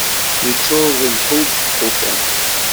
Yeččur d lḥud n txutam.